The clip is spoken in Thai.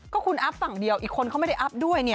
ก็คุณอัพฝั่งเดียวอีกคนเขาไม่ได้อัพด้วยเนี่ย